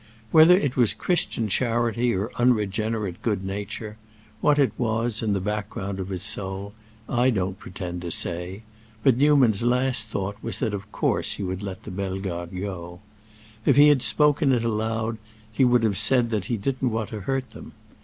Whether it was Christian charity or unregenerate good nature—what it was, in the background of his soul—I don't pretend to say; but Newman's last thought was that of course he would let the Bellegardes go. If he had spoken it aloud he would have said that he didn't want to hurt them.